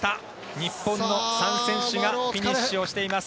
日本の３選手がフィニッシュしています。